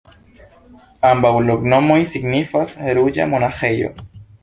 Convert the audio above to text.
Ambaŭ loknomoj signifas: ruĝa monaĥejo.